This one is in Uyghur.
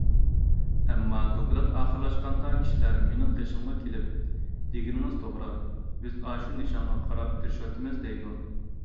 ئەمما دوكلات ئاخىرلاشقاندا كىشىلەر مېنىڭ قېشىمغا كېلىپ: «دېگىنىڭىز توغرا، بىز ئاشۇ نىشانغا قاراپ تىرىشىۋاتىمىز»، دەيدۇ.